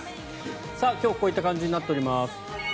今日こういった感じになっております。